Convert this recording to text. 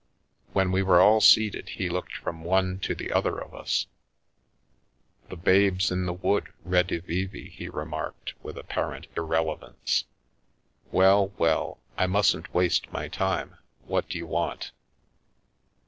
When we were all seated he looked from one to the other of us. " The Babes in the Wood redivivi," he remarked with apparent irrelevance. " Well, well, I mustn't waste my time. What do you want